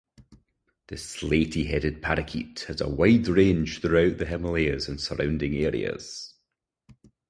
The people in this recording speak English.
The slaty-headed parakeet has a wide range throughout the Himalayas and surrounding areas.